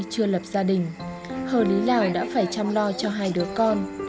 chưa lập gia đình hờ lý lào đã phải chăm lo cho hai đứa con